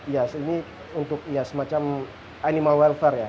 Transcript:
ya ini untuk ya semacam animal welfare ya